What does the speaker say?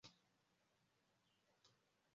we aricecekera kuko n’ubusanzwe ntakunda kuvuga menshi